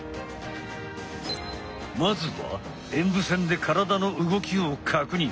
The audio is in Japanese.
まずは演武線で体の動きを確認。